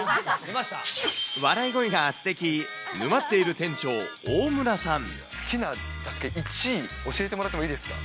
笑い声がすてき、沼っている好きな雑貨１位、教えてもらってもいいですか？